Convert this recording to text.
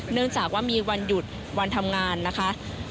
เนื่องจากว่ามีวันหยุดวันทำงานนะคะ